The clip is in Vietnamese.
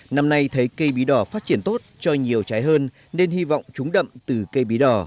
năm nay thấy cây bí đỏ phát triển tốt cho nhiều trái hơn nên hy vọng trúng đậm từ cây bí đỏ